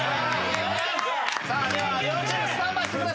では両チームスタンバイしてください。